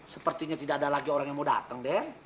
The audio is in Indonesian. sepertinya tidak ada lagi orang yang mau datang deh